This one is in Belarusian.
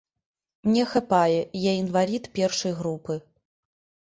Мне хапае, я інвалід першай групы.